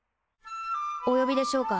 お呼びでしょうか？